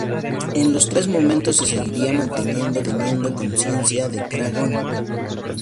En los tres momentos se seguiría manteniendo conciencia de Casa de Aragón.